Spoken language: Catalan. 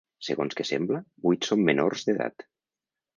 Segons que sembla, vuit són menors d’edat.